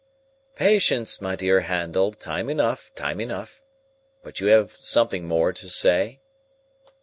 "Patience, my dear Handel: time enough, time enough. But you have something more to say?"